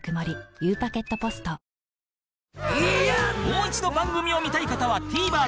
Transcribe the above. もう一度番組を見たい方は ＴＶｅｒ で